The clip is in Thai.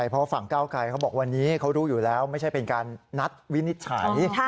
เพราะฝั่งก้าวไกรเขาบอกวันนี้เขารู้อยู่แล้วไม่ใช่เป็นการนัดวินิจฉัย